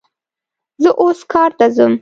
زه اوس کار ته ځم